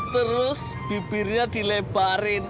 terus bibirnya dilebarin